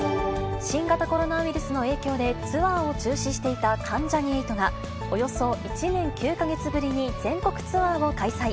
新型コロナウイルスの影響でツアーを中止していた関ジャニ∞が、およそ１年９か月ぶりに全国ツアーを開催。